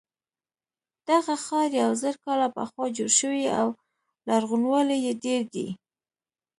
دغه ښار یو زر کاله پخوا جوړ شوی او لرغونوالی یې ډېر دی.